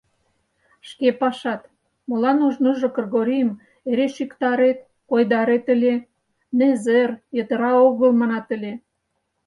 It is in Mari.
— Шке пашат: молан ожныжо Кыргорийым эре шӱктарет, койдарет ыле: незер, йытыра огыл, манат ыле.